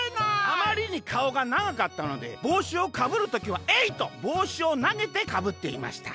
「あまりにかおがながかったのでぼうしをかぶる時はえい！とぼうしをなげてかぶっていました。